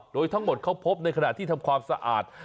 โดยทั้งหมดเขาพบในขณะที่ทำความสะอาด